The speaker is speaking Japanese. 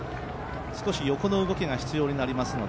横の動きが必要になりますので、